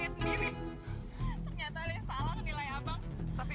ternyata salah nilai abang tapi